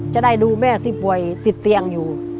จะได้ดูแม่ที่ป่วยติดเตียงอยู่